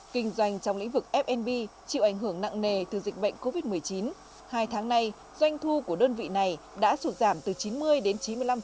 kinh doanh trong lĩnh vực fnb chịu ảnh hưởng nặng nề từ dịch bệnh covid một mươi chín hai tháng nay doanh thu của đơn vị này đã sụt giảm từ chín mươi đến chín mươi năm